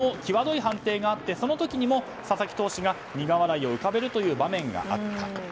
この試合、この前にもきわどい判定があってその時にも佐々木投手が苦笑いを浮かべる場面があった。